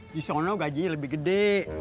di solo gajinya lebih gede